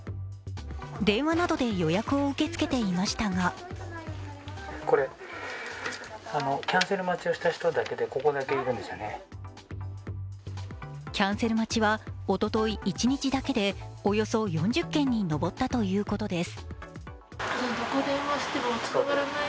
電話などで予約を受け付けていましたがキャンセル待ちは、おととい一日だけでおよそ４０件に上ったということです。